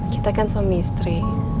kita kan suami istri